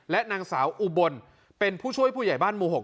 นางสาวอุบลเป็นผู้ช่วยผู้ใหญ่บ้านหมู่๖